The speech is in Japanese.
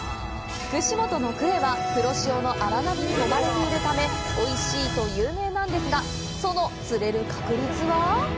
串本のクエは黒潮の荒波にもまれているためおいしいと有名なんですがその釣れる確率は。